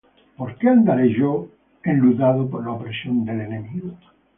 ¿Por qué andaré yo enlutado por la opresión del enemigo?